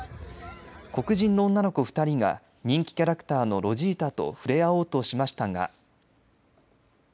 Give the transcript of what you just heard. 黒人の女の子２人が人気キャラクターのロジータと触れ合おうとしましたが。